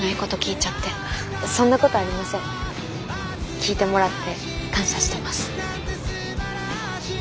聞いてもらって感謝してます。